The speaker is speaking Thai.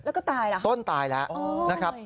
แล้วก็ตายแล้วครับต้นตายแล้วนะครับ